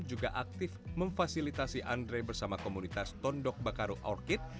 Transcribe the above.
juga aktif memfasilitasi andre bersama komunitas tondok bakaru orkid